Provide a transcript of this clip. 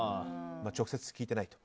直接聞いていないと。